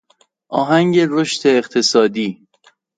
آهنگ رشد اقتصادی